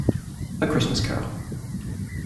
A Christmas Carol.